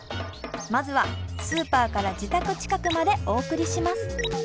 まずはスーパーから自宅近くまでお送りします。